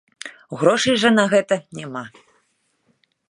Грошай жа на гэта няма.